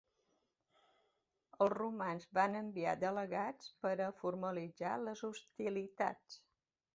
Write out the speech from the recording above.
Els romans van enviar delegats per a formalitzar les hostilitats.